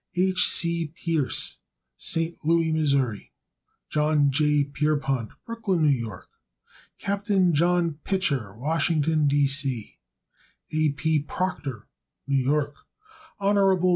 H. C. Pierce, St. Louis, Mo. John J. Pierrepont, Brooklyn, N. Y. Capt. John Pitcher, Washington, D. C. A. P. Proctor, New York. Hon.